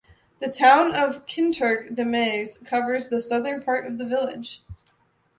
The townland of Kinturk Demesne covers the southern part of the village.